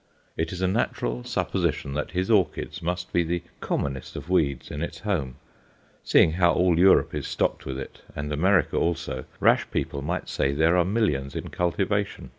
It is a natural supposition that his orchid must be the commonest of weeds in its home; seeing how all Europe is stocked with it, and America also, rash people might say there are millions in cultivation.